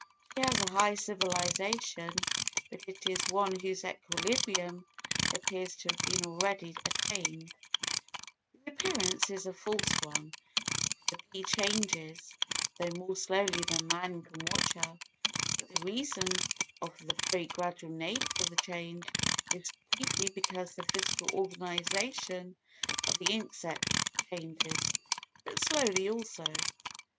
She has a high civilisation but it is one whose equilibrium appears to have been already attained; the appearance is a false one, for the bee changes, though more slowly than man can watch her; but the reason of the very gradual nature of the change is chiefly because the physical organisation of the insect changes, but slowly also.